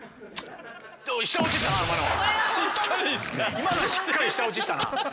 今のはしっかり舌打ちしたな。